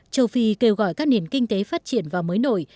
châu phi kêu gọi các nền kinh tế phát triển và mới nổi